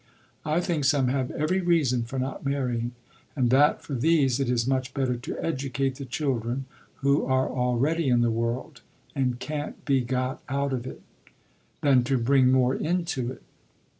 I think some have every reason for not marrying, and that for these it is much better to educate the children who are already in the world and can't be got out of it, than to bring more into it.